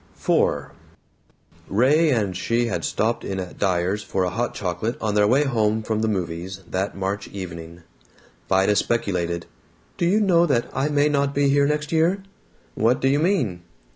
IV Ray and she had stopped in at Dyer's for a hot chocolate on their way home from the movies, that March evening. Vida speculated, "Do you know that I may not be here next year?" "What do you mean?"